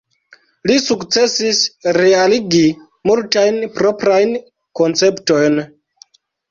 Li sukcesis realigi multajn proprajn konceptojn.